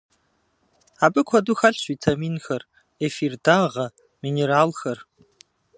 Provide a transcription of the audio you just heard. Абы куэду хэлъщ витаминхэр, эфир дагъэ, минералхэр.